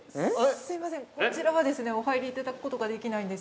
◆すみません、こちらはお入りいただくことができないんです。